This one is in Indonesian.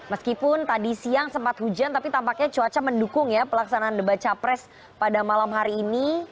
meskipun tadi siang sempat hujan tapi tampaknya cuaca mendukung ya pelaksanaan debat capres pada malam hari ini